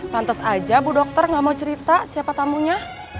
lantas aja bu dokter nggak mau cerita siapa tamunya